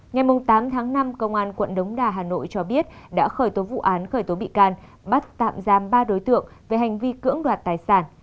ngày tám tháng năm công an quận đống đà hà nội cho biết đã khởi tố vụ án khởi tố bị can bắt tạm giam ba đối tượng về hành vi cưỡng đoạt tài sản